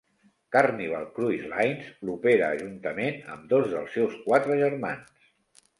Carnival Cruise Lines l'opera juntament amb dos dels seus quatre germans.